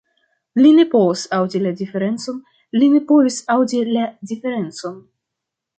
Li ne povas aŭdi la diferencon li ne povis aŭdi la diferencon!